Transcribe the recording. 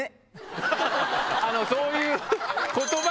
あのそういう。